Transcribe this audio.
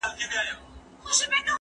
زه به سبا د زده کړو تمرين کوم؟!